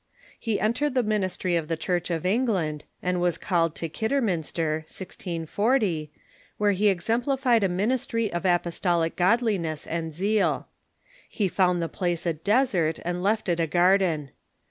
He entered the ministry of the Church of England, and was called to Kidderminster (1640), where he exemplified a ministry of apostolic godliness and zeal. " He found the place a desert, and left it a garden."